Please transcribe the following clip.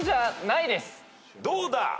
どうだ！？